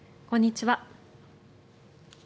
こんにちは。